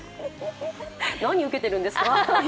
何ウケてるんですか。